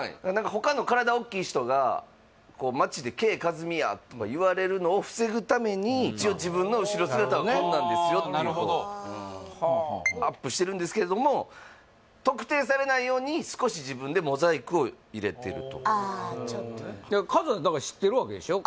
他の体おっきい人が街で「Ｋ．カズミや」とか言われるのを防ぐために一応自分の後ろ姿はこんなんですよっていうなるほどアップしてるんですけれども特定されないように少し自分でモザイクを入れてるとああちょっとカズは知ってるわけでしょ？